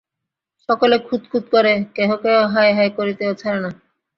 সকলে খুতখুঁত করে, কেহ কেহ হায় হায় করিতেও ছাড়ে না।